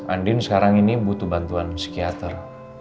andin sekarang ini butuh bantuan psikiater